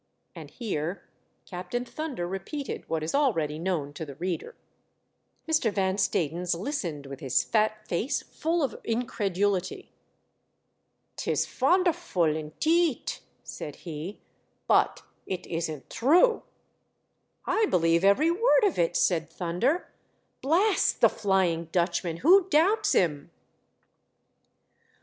And here Captain Thunder repeated what is already known to the reader, Mr. Van Stadens listened with his fat face full of incredulity. " 'Tis fonderful, inteet," said he, "but it isn't true." "I believe every word of it," said Thunder. " Blast the Flying Dutchman ! who doubts him